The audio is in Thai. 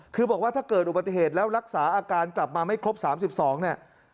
คือบอกว่าถ้าเกิดอุบัติเหตุแล้วรักษาอาการกลับมาไม่ครบ๓๒เนี่ย